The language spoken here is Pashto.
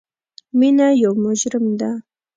مینه یو مجرم ده